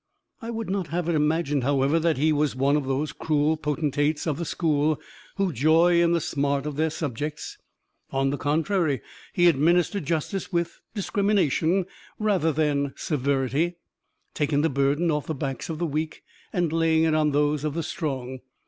I would not have it imagined, however, that he was one of those cruel potentates of the school who joy in the smart of their subjects; on the contrary, he administered justice with discrimination rather than severity, taking the burden off the backs of the weak and laying it on those of the strong.